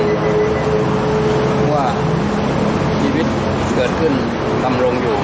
เพราะว่าชีวิตเกิดขึ้นดำรงอยู่